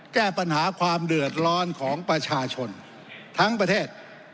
แก้ปัญหาความเดือดร้อนของประชาชนทั้งประเทศ